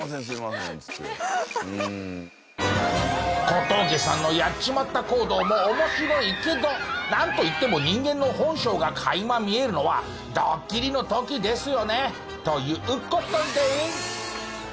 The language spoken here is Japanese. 小峠さんのやっちまった行動も面白いけどなんといっても人間の本性が垣間見えるのはドッキリの時ですよね。という事で。